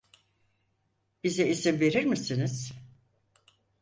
Bize izin verir misiniz?